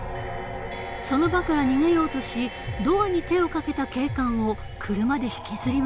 その場から逃げようとしドアに手をかけた警官を車で引きずり回した。